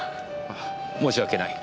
ああ申し訳ない。